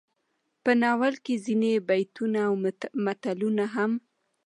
په ناول کې ځينې بيتونه او متلونه هم